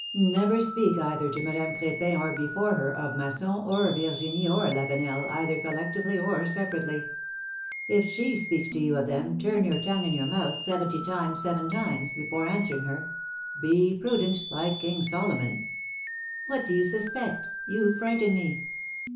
" Never speak either to Madame Crepin or before her of Masson, or Virginie, or Lavenel, either collectively or separately. If she speaks to you of them, turn, your tongue in your mouth seventy times seven times, before answering her; be prudent, like King Solomon." " What do you suspect? You frighten me."